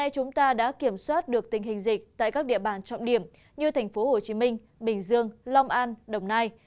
chúng ta đã kiểm soát được tình hình dịch tại các địa bàn trọng điểm như thành phố hồ chí minh bình dương long an đồng nai